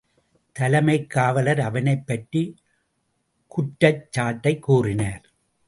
தலைமைக் காவலர் அவனைப் பற்றிய குற்றச் சாட்டைக் கூறினார்.